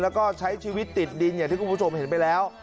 แล้วก็ใช้ชีวิตติดดินอย่างที่คุณผู้ชมเห็นไปแล้ว